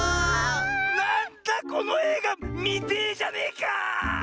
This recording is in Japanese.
なんだこのえいがみてえじゃねえか！